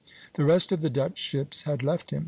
The rest of the Dutch ships had left him.